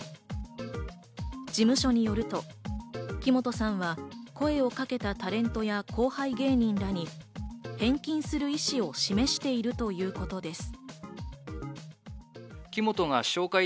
事務所によると、木本さんは声をかけたタレントや後輩芸人らに返金する意思を示しているということです。